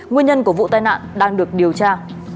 nguyên nhân của vụ tai nạn đang được điều tra